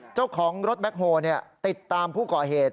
เจ้าของรถแบ็คโฮลติดตามผู้ก่อเหตุ